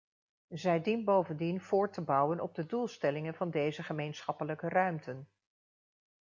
Zij dient bovendien voort te bouwen op de doelstellingen van deze gemeenschappelijke ruimten.